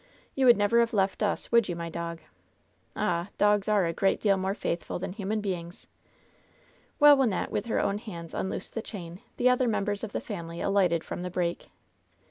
You would never have left us, would you, my dog? Ah ! dogs are a great deal more faithful than human beings/' While Wynnette with her own hands unloosed the chain, the other members of the family alighted from the break.